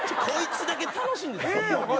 こいつだけ楽しいんですよ。